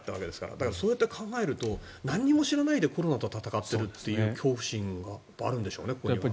だからそうやって考えると何も知らないでコロナと闘っているという恐怖心があるんでしょうね。